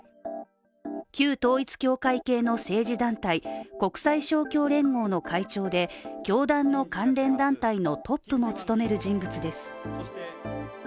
旧統一教会系の政治団体、国際勝共連合の会長で教団の関連団体のトップも務める人物です。